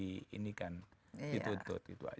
di inikan gitu gitu aja